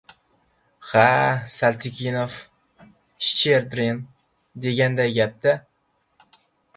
— Ha, Saltikov-Shchedrin deganday gap-da!